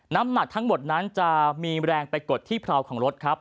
น้ำหนักทั้งหมดนั้นจะมีแรงไปกดที่เพราของรถครับ